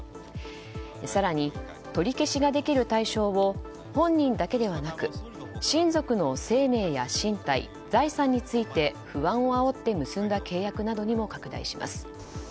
更に取り消しができる対象を本人だけではなく親族の生命や身体財産について不安をあおって結んだ契約にも拡大します。